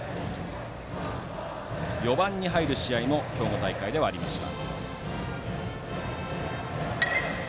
４番に入る試合も兵庫大会ではありました。